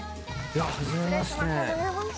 はじめまして。